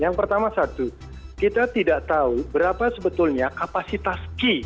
yang pertama satu kita tidak tahu berapa sebetulnya kapasitas ki